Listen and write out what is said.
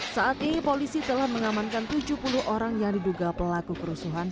saat ini polisi telah mengamankan tujuh puluh orang yang diduga pelaku kerusuhan